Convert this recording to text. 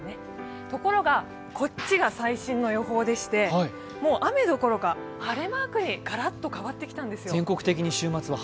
ところがこっちが最新の予報でして、もう雨どころか、晴れマークにがらっと変わってきたんですよ。